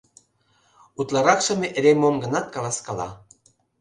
Утларакшым эре мом-гынат каласкала.